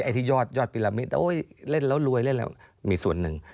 ไอ้ที่ยอดปีรามิตโอ้ยเล่นแล้วรวยเล่นแล้วมีส่วนหนึ่ง